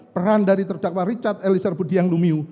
peran dari terdakwa richard elisir bediang mulyumiung